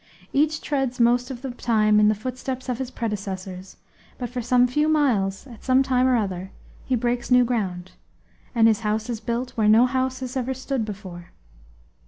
Each treads most of the time in the footsteps of his predecessors, but for some few miles, at some time or other, he breaks new ground; and his house is built where no house has ever stood before.